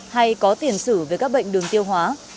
hay có tiền sử về các bệnh đường tiêu hóa